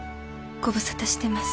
ご無沙汰してます。